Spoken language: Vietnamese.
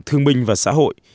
thương minh và xã hội